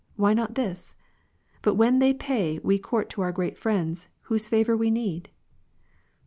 Why not this ? But when then pay we court to our great friends, whose favour we need